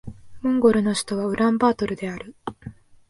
モンゴルの首都はウランバートルである